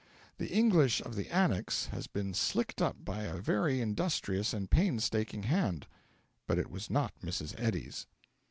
The English of the Annex has been slicked up by a very industrious and painstaking hand but it was not Mrs. Eddy's.